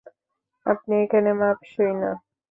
আপনি এখানে মাপসই না!